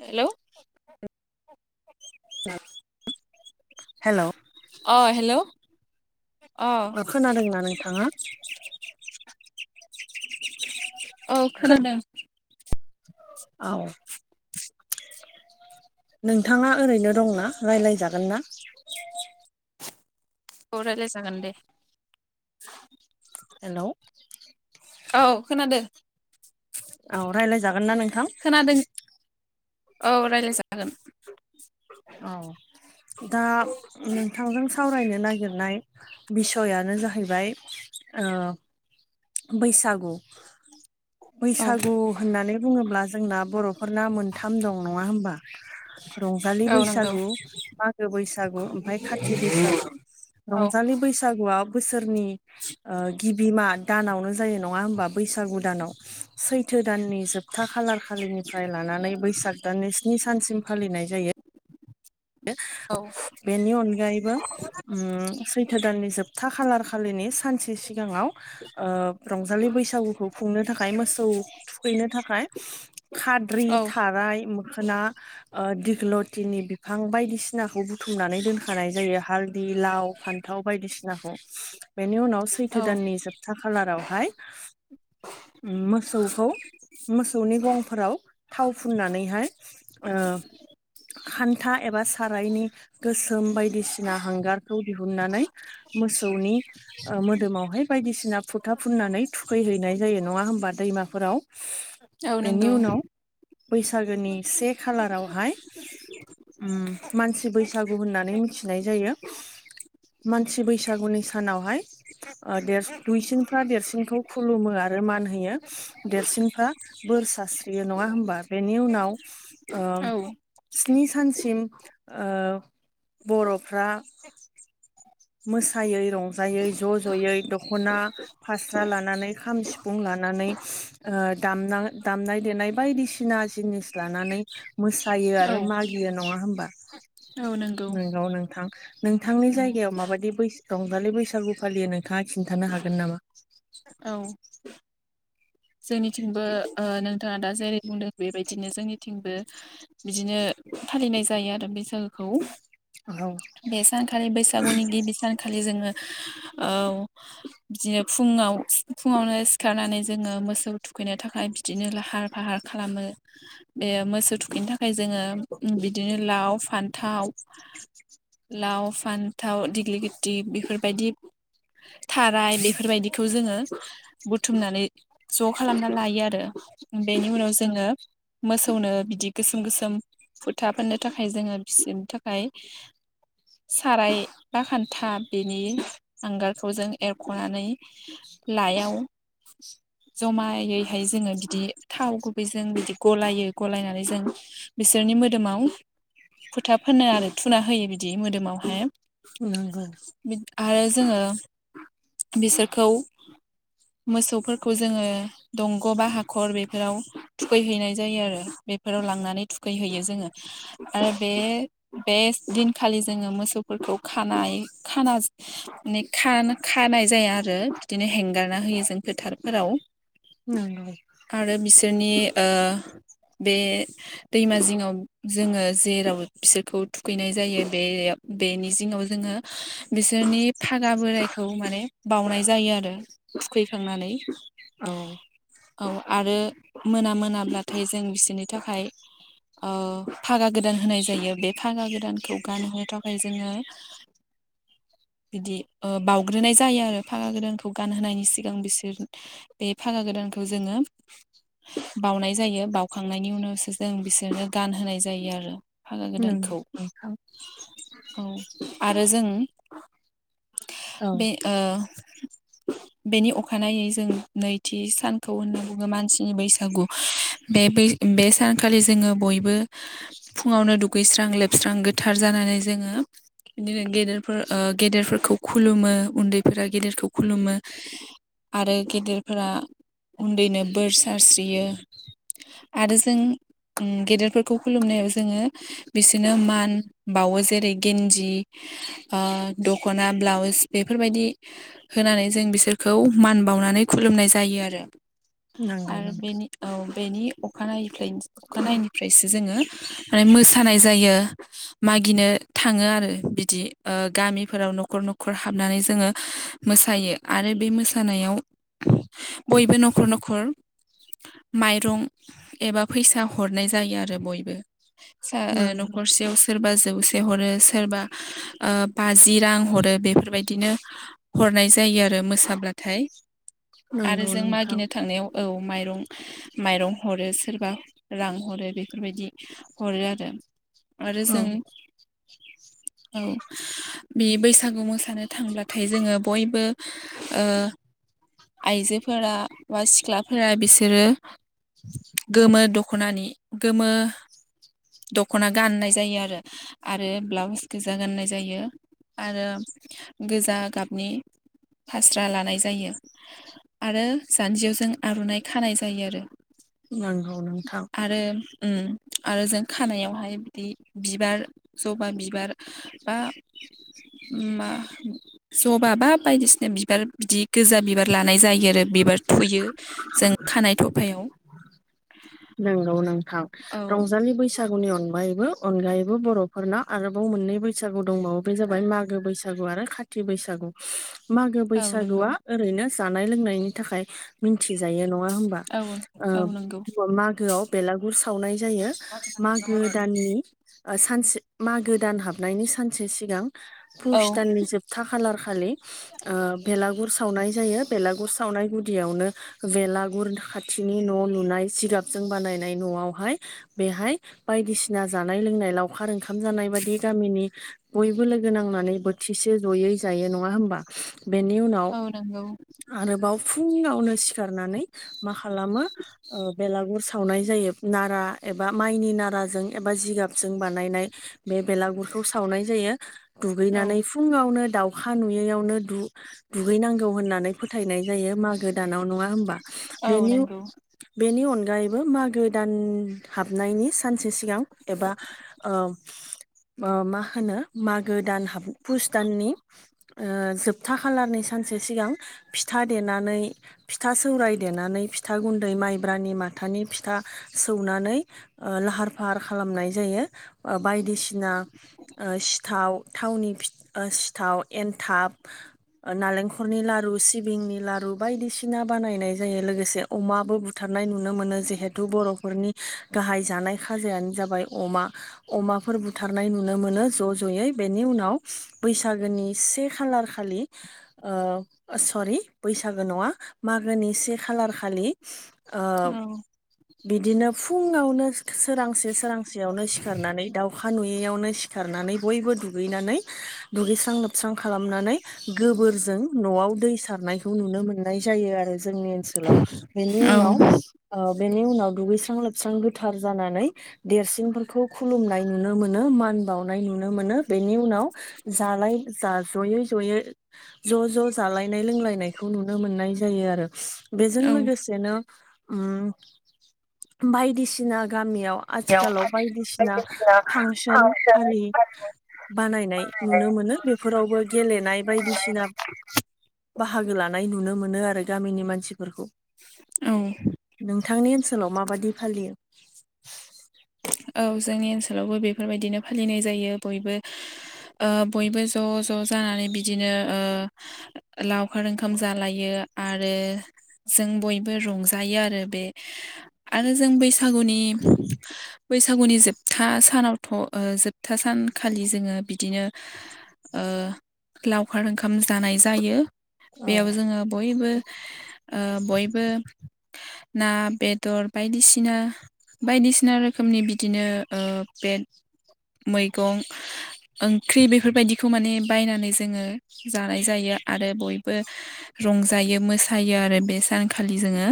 हेल'। Hello. अ hello. अ खोनादोंना नोंथाङा? औ खोनादों। औ नोंथाङा। ओरैनो दंना रायजलायजागोन ना? रायलाय जागोन दे। हेल'। औ खोनादो औ रायज्लायजागोन ना नोंथां। खोनादों औ रायज्लाय जागोन। औ। दा नोंथांजों सावरायनो नागिरनाय बिसयानो जाहैबाय। औ बैसागु। औ बैसागु होननानै बुङोब्ला जोंना बर'फ फोरना मोनथाम दं नङा होमबा रंजालि औ बैसा नंगौ सागु मागो बैसागु ओमफ्राय खाथि बैसागु औ रंजालि बैसागुआ बोसोरनि गिबिमा दानावनो जायो नङा हबा बैसागु दानाव सै थो दाननि जोबथा खालार खालिनिफ्राय लानानै बैसाग दाननि स्नि सानसिम फालिनाय जायो। औ बेनि अनगायैबो उम सैथो दाननि जोबथा खालार। खालिनिस। सानसे सिगाङाव ओ रंजालि बैसागुखौ खुंनो थाखाय मोसौ थुखैनो थाखाय खाद्रि औ थाराय मोखोना दिग्लथिनि बिफां बायदिसिनाखौ बु थुमनानै दोनखानाय जायो हालदि लाव फान्थाव बायदिसिनाखौ। बेनि उनाव औ सैथो दाननि जोबथा खालारावहाय मोसौखौ मोसौनि गंफोराव थाव फुननानैहाय ओ खान्था एबा सारायनि गोसोम बाय दिसिना हांगार खौ दिहुननानै मोसौनि ओ मोदोमावहाय बायदिसिना। फुथा फुननानै थुखैहैनाय जायो नङा होमबा दैमाफोराव। औ बेनि नंगौ उनाव बैसागोनि से खालारावहाय। उम मानसि बैसागु होननानै मिथिनाय जायो। मानसि बैसागुनि सानावहाय। ओ देर दुइसिनफ्रा देरसिनखौ खुलुमो आरो। मान होयो देरसिनफ्रा बोर सास्रियो नङा होमबा बेनि उनाव। ओ औ स्नि सानसिम ओ बर'फ्रा मोसायै रंजायै ज' ज'यै दख'ना फास्रा लानानै खाम सिफुं ला लानानै ओ दामना दामनाय देनाय बायदिसिना जिनिस लानानै मोसा यो औ आरो मागियो नङा होनबा औ नंगौ नोंगौ नोंथां नोंथांनि उम जायगायाव मा बायदि बैस रंजालि बैसागु फालियो नोंथाङा खिन्थानो हागोन नामा। औ। जोंनिथिंबो ओ नों थाङा दा जेरै बुंदों बेबायदिनो जोंनिथिंबो बिदिनो फालिनाय जायो आरो बैसागोखौ। औ बे सानखालि बैसागुनि गिबि सानखालि जोङो औ बिदिनो फुङाव फुङावनो सिखारनानै जोङो मो सौ थुखैनो थाखाय बिदिनो लाहार फाहार खालामो बे मोसौ थुखैनो थाखाय जोङो। बिदिनो लाव, फान्थाव लाव फान्थाव दिग्लि गिथि बेफोरबायदि। थाराय बेफोरबायदिखौ जोङो बुथुमनानै। ज' खालामना लायो आरो बेनि उनाव जोङो मोसौ नो बिदि गोसोम गोसोम फोथा फोननो थाखाय जोङो बिसोरनि थाखाय साराय बा खान्था बिनि हांगारखौ जों एरख'नानै। लायाव। [inaudible] जमायैहाय जोङो बिदि थाव गुबैजों बिदि गलायो गलायनानै जों बिसोरनि मोदोमाव फोथा फोनो आरो थुना होयो बिदि मोदोमावहाय। उम नंगौ। आरो जोङो बिसोरखौ मोसौ फोर खौ जोङो दंग' बा हाखर बेफोराव थुखैहैनाय जायो आरो बेफोराव लांनानै थु खैहैयो जोङो आरो बे बे दिनखालि जोङो मोसौफोरखौ खानाय। खाना माने खानाय जाया आरो बिदिनो हेंगारना होयो जों फोथार फोराव नंगौ दोनि ओ बे दैमा जिङाव जोङो जेराव बिसोरखौ थुखैनाय जायो बे बेनि जिङाव जोङो बिसोरनि फागा बोरायखौ माने बावउनाय जायो आरो थुखैखांनानै औ औ आरो मोना मोनाब्लाथाय जों बिसोरनि थाखाय फागा गोदान होनाय जायो बे फागा गोदानखौ गानहोनो थाखाय जोङो [unintelligible] [inaudible] बिदि बाउग्रोनाय जायो आरो फागा गदानखौ गानहोनायनि सिगां बिसोर बे फागा गोदानखौ जोङो बाउनाय जायो बाउखांनायनि उनावसो जों बिसोरनो गानहोनाय जायो आरो फागा नंगौ गोदानखौ नोंथां औ आरो जों औ बे ओ बेनि अखानायै ज नैथि सानखौ होननानै बुङो मानसिनि बैसागु सानखालि जों जोङो बयबो फुङावनो दुगैस्रां लोबस्रां गोथार जानानै जोङो बिदिनो गेदेरफोर गेदेरफोरखौ खुलुमो उन्दैफोरा गेदेरखौ खुलुमो आरो गेदेरफोरा उन्दैनो बोर सारस्रियो आरो जों गेदेरफोरखौ खुलुमनायाव जोङो बिसोरनो मान बाावो जेरै गेन्ज ओ दख'ना ब्लाउस बेफोरबायदि होनानै जों बिसोरखौ मान बावनानै खुलुमनाय जायो आरो नंगौ आरो नोंथां बेनि औ बेनि अखानाय ओमफ्राय अखानायनिफ्रायसो जोङो माने मोसानाय जायो मागिनो थाङो आरो बिदि गामिफोराव न'खर न'खर हाबनानै जोङो मोसायो आरो बे मोसानायाव बयबो नखर न'खर माइरं एबा फैसा हरनाय जायो आरो बयबो स नंगौ न'खरसेयाव सोरबा जौसे हरो सोरबा बाजि रां हरो बेफोरबायदिनो ह हरनाय जायो आरो मोसाब्लाथाय आरो नंगौ जों नोंथां मागिनो थांनायाव औ माइरं माइरं हरो सोरबा रां हरो बेफोरबायदि हरो आरो आरो औ जों औ बे बैसागु मोसानो थांब्लाथाय जोङो बयबो आइजोफोरा बा सिख्लाफोरा बिसोरो गोमो दख'नानि गोमो दख'ना गाननाय जायो आरो आरो ब्लाउस गोजा गाननाय जायो आरो गोजा गाबनि फास्रा लानाय जायो ज आरो जान्जियाव जों आर'नायइ खानाय जायो आरो नंगौ नोंथां आरो उम आरो जों खानायावहाय बिदि बिबार जबा बिबार बा मा जबा बा बायदिसिना बिबार बिदि गोजा बिबार लानाय जायो आरो बिबार थुयो जों खानायाइ थफायाव नंगौ नोंथां औ रंजालि बैसागुनि अनगायै यैबो अनगायैबो बर'फोरनाव आरोबाव मोननै बैसागु दंबावो बे जाबाय मागो बैसागु आरो खाथि थि बैसागु मागो औ नंगौ बैसागुआ ओरैनो जानाय लोंनायनि थाखाय मिथिजायो नङा मा होनबा औ आ औ नंगौ मागोआव बेलागुर सावनाय जायो मागो दाननि सानसे मागो दान हाबनायनि सानसे सिगां औ पुस दाननि जोबथा खालार खालि ओ बेलाग बेगुर सावनाय जायो बेलागुर सावनाय गुदियावनो बेलागुर खाथिनि न' लुनाय जिगाबजों बानायनाय न'आवहाय बेहाय बायदिसिना जानाय लोंनाय लावखार ओंख आम जानाय बायदि गामिनि बयबो लोगो नांनानै बोथिसे ज'यै जायो नङा होमबा? बेनि उनाव औ नंगौ आरोबाव फुङावनो सिखारनानै मा खालामो ओ बेलागुर सावनाय जायो नारा एबा माइनि नाराजों एबा जिगाबजों बानायनाय बे बेलागुरखौ सावनाय जायो औ दुगैनानै फुङावनो दाउ खा नुयैयावनो दु-दुगैनांगौ होन्नानै फोथायनाय जायो मागो दानाव नङा होमबा औ बेनि नंगौ बेनि अनगायैबो मागो दान हाबनायनि सानसे सिगां एबा ओ ओ मा होनो मागो दान हाब पुस दाननि ओ जोबथा खालारनि सानसे सिगां फिथा देनानै फिथा सौराय देनानै फिथा गुन दै माइब्रानि माथानि फिथा सौनानै ओ लाहार फाहार खालामनाय जायो। ओ बायदिसिना ओ सिथाव थावनि फि ओ सिथाव एनथाब नालेंखरनि लारु सिबिंनि लारु बायदिसिना बानायनाय जायो लोगोसे अमा बो बुथारनाय नुनो मोनो जेहेथु बर'फोरनि गाहाय जानाय खाजायानो जाबाय अमा। अमाफोर बुथारनाय नुनो मोनो ज' ज'यै बेनि उनाव बैसागोनि से खालार खा लि ओ सरि बैसागो नङा मागोनि से खालार खालि ओ औ बिदिनो फुङावनो सोरांसे सोरांसेयावनो सिखारनानै दाउखा नुयैयावनो सिखारनानै बयबो दुगैनानै दुगैस्रां लोबस्रां खालामनानै गोबोरजों न' आव दै सारनायखौ नुनो मोननाय जायो आरो जोंनि ओनसोलाव बेनि औ उनाव ओ बेनि उनाव दुगैस्रां लोबस्रां गोथार जानानै देरसिनफोरखौ खुलुमनाय नुनो मोनो मान बाउनाय नुनो मोनो बेनि उनाव जालाय जा जयै जयै ज' ज' जालायनाय लोंलायनायखौ नुनो मोननाय जायो आरो। बेजों औ लोगोसेनो उम बायदिसिना गामियाव आथिखालाव बायदिसिना फांसोन आरि बानायनाय नुनो मोनो बेफोरावबो गेलेनाय बायदिसिना बाहागो लानाय नुनो मोनो आरो गामिनि मानसिफोरखौ। औ। नोंथांनि ओनसोलाव माबादि फालियो औ जोंनि ओनसोलावबो बेफोरबायदिनो फालिनाय जायो बयबो ओ बयबो ज' ज' जानानै बिदिनो ओ लावखार ओंखाम जालायो आरो जों बयबो रंजायो आरो बे आरो जों बैसागुनि बैसागुनि जोबथा सानावथ' ओ जोबथा सानखालि जोङो बिदिनो ओ लावखार ओंखाम जानाय जायो औ बेयाव जोङो बयबो ओ बयबो ना बेदर बायदिसिना बायदिसिना रोखोमनि बिदिनो ओ बे मैगं ओंख्रि बेफोरबायदिखौ माने बायनानै जोङो जानाय जायो आरो बयबो रंजायो मोसायो आरो बे सानखालि जोङो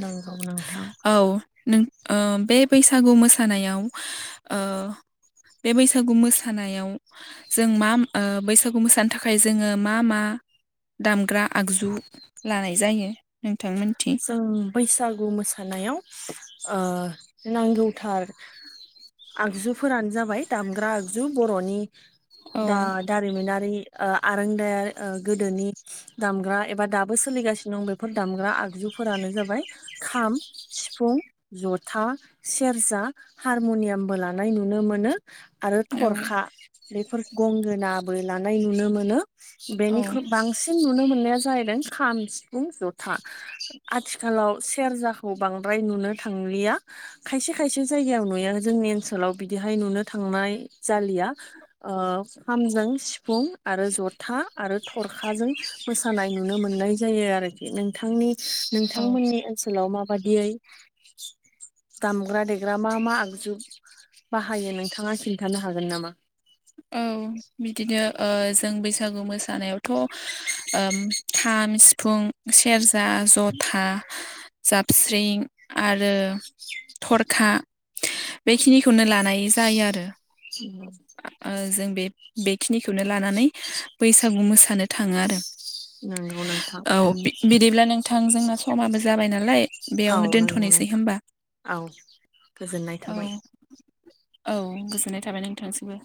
नंगौ नोंथां। औ नों ओ बे बैसागु मोसानायाव ओ [inaudible] बे बैसागु मोसानायाव जों मा ओ बैसागु मोसानो थाखाय जोङो मा मा दामग्रा आगजु लानाय जायो नोंथांमोनथिं जों बैसागु मोसानायाव ओ नांगौथार आगजुफोरानो जाबाय दामग्रा आगजु बर'नि औ दा दारिमिनारि ओ आरोंदाया ओ गोदोनि दामग्रा एबा दाबो सोलिगासिनो दं बेफोर दामग्रा आगजु फोरानो जाबाय खाम सिफुं जथा सेरजा हारम'नियामबो लानाय नुनो मोनो। आरो औ थरखा बेफोर गंगोनाबो लानाय नुनो मोनो। औ बेनिख्रुइ बांसिन नुनो मोननाया जाहैदों खाम सिफुं जथा। आथिखालाव सेरजाखौ बांद्राय नुनो थांलिया खायसे खायसे जायगायाव नुयो जोङो। जोंनि ओनसोलाव बिदिहाय नुनो थांनाय जालिया ओ खामजों सिफुं आरो। जथा आरो थरखाजों मोसानाय नुनो मोननाय जायो आरोखि नोंथांनि। औ नोंथांमोननि ओनसोलाव माबादियै। दामग्रा देग्रा मा मा आगजु बाहायो नोंथाङा खिन्थानो हागोन नामा? औ बिदिनो ओ जों बैसागु मोसानायावथ' ओ खाम सिफुं सेरजा। जथा जाबस्रिं आरो थरखा। बेखिनिखौनो लानाय जायो आरो। जों बे बेखिनिखौनो लानानै बैसागु मोसानो थाङो आरो। नंगौ नोंथां औ बिदिब्ला नोंथां जोंना समाबो जाबाय नालाय। औ बेयावनो नंगौ दोनथ'नोसै नोंथां होमबा औ गोजोननाय औ थाबाय। औ गोजोननाय थाबाय नोंथांसिमबो।